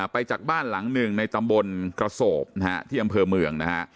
ไปจากบ้านหลังหนึ่งในตำบลกระโสบนะฮะที่อำเภอเมืองนะฮะ